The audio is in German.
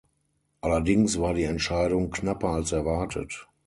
Allerdings war die Entscheidung knapper als erwartet.